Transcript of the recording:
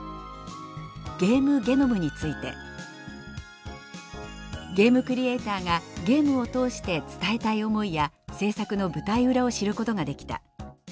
「ゲームゲノム」について「ゲームクリエーターがゲームを通して伝えたい思いや制作の舞台裏を知ることができた」。